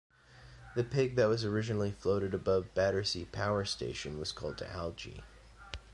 The pig that was originally floated above Battersea Power Station was called "Algie".